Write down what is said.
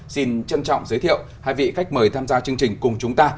xin trân trọng giới thiệu hai vị khách mời tham gia chương trình cùng chúng ta